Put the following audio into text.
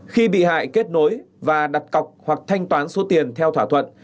khi bị hại kết nối và đặt cọc hoặc thanh toán số tiền theo thỏa thuận